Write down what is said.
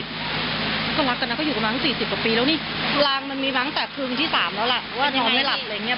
เขารักกันนะเขาอยู่กันมาตั้ง๔๐กว่าปีแล้วนี่รางมันมีมาตั้งแต่คืนที่๓แล้วล่ะว่านอนไม่หลับอะไรอย่างนี้